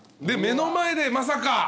目の前でまさか。